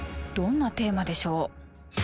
どんなテーマでしょう。